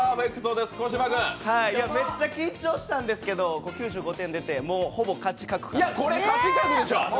めっちゃ緊張したんですけど、９５点出て、もうほぼ勝確かなと。